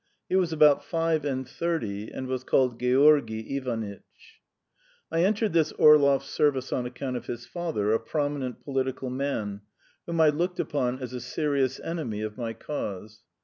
He was about five and thirty, and was called Georgy Ivanitch. I entered this Orlov's service on account of his father, a prominent political man, whom I looked upon as a serious enemy of my cause.